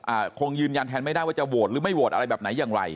คงยืนยันแทนไม่ได้ว่าจะโหวตหรือไม่โหวตอะไรแบบไหนอย่างไร